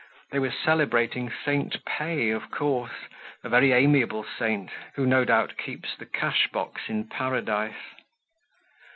They were celebrating Saint Pay, of course—a very amiable saint, who no doubt keeps the cash box in Paradise.